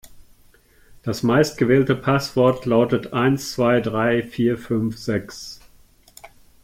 Das meistgewählte Passwort lautet eins zwei drei vier fünf sechs.